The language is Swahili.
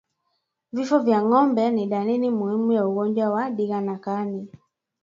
Vifo vya ngombe ni dalili muhimu ya ugonjwa wa ndigana kali